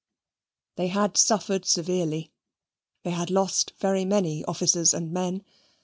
They had suffered severely. They had lost very many officers and men.